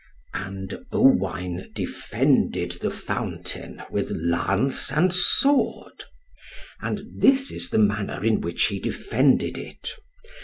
And Owain defended the Fountain with lance and sword. And this is the manner in which he defended it.